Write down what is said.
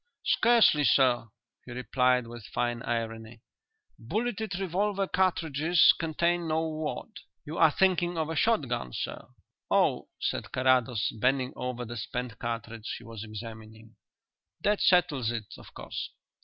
"Scarcely, sir," he replied, with fine irony. "Bulleted revolver cartridges contain no wad. You are thinking of a shot gun, sir." "Oh," said Carrados, bending over the spent cartridge he was examining, "that settles it, of course."